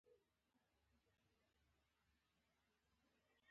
پزه ښه ده.